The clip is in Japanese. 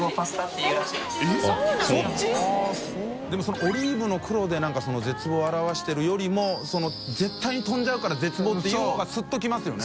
任オリーブの黒で絶望を表してるよりも簑个飛んじゃうから絶望っていうほうが好辰きますよね。